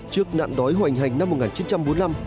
trước nạn đói hoành hành năm một nghìn chín trăm bốn mươi năm